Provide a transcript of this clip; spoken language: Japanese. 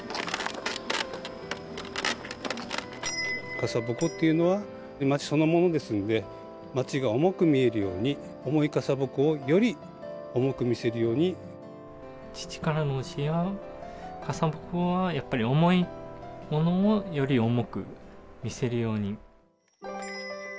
傘鉾っていうのは町そのものですので、町が重く見えるように、父からの教えは、傘鉾はやっぱり重いものをより重く見せるように。